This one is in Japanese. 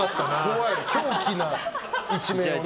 狂気な一面をね。